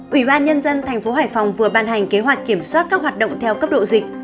ủy ban nhân dân tp hải phòng vừa ban hành kế hoạch kiểm soát các hoạt động theo cấp độ dịch